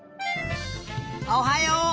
おはよう！